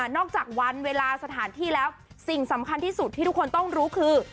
จากวันเวลาสถานที่แล้วสิ่งสำคัญที่สุดที่ทุกคนต้องรู้คือ